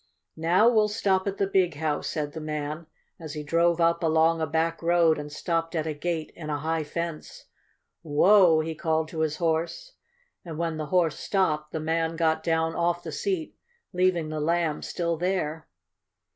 "Now we'll stop at the Big House," said the man, as he drove up along a back road and stopped at a gate in a high fence. "Whoa!" he called to his horse, and when the horse stopped the man got down off the seat, leaving the Lamb still there.